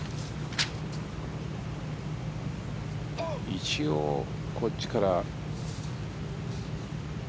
一応、こっちから。